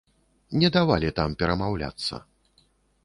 Не давалі там перамаўляцца.